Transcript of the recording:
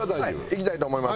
いきたいと思います。